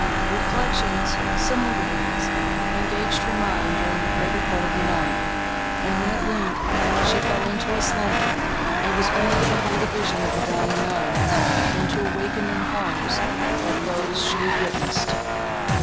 Reflections, similar to these, engaged her mind, during the greater part of the night, and when, at length, she fell into a slumber, it was only to behold a vision of the dying nun, and to awaken in horrors, like those she had witnessed.